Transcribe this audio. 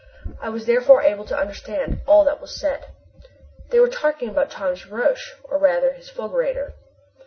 I was therefore able to understand all that they said. They were talking about Thomas Roch, or rather his fulgurator.